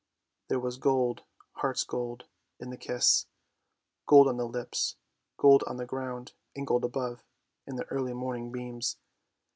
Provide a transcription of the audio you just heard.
There was gold, heart's gold, in the kiss. Gold on the lips, gold on the ground, and gold above, in the early morning beams!